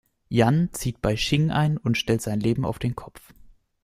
Yan zieht bei Shing ein und stellt sein Leben auf den Kopf.